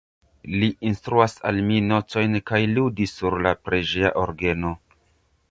Li instruas al mi notojn kaj ludi sur la preĝeja orgeno.